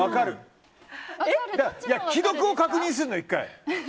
既読を確認するの、１回。